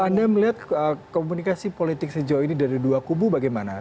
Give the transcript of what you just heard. anda melihat komunikasi politik sejauh ini dari dua kubu bagaimana